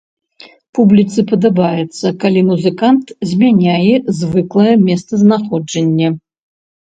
Публіцы падабаецца, калі музыкант змяняе звыклае месцазнаходжанне.